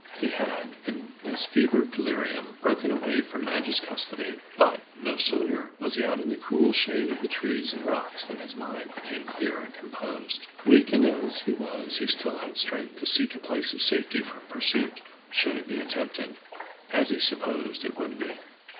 He had, in his fever delirium, broken away from Madge's custody, but, no sooner was he out in the cool shade of the trees and rocks than his mind became clear and composed. Weak and ill as he was he still had strength to seek a place of safety from pursuit, should it be attempted, as he supposed it would be.